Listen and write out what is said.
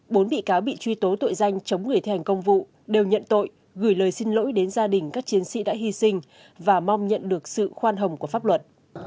các bị cáo bị truy tố với tội danh giết người đều tỏ ra ăn năn trước những hành vi sai trái của mình và mong muốn nhận được sự khoan hồng của pháp luật